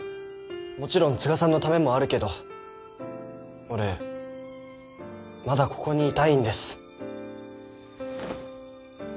もちろん都賀さんのためもあるけど俺まだここにいたいんです。